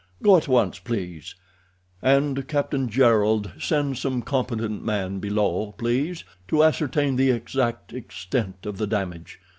Go at once, please. And, Captain Jerrold, send some competent man below, please, to ascertain the exact extent of the damage.